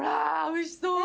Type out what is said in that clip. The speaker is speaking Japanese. おいしそう。